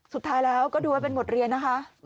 สุดท้ายแล้วก็ดูว่าเป็นบทเรียนนะคะ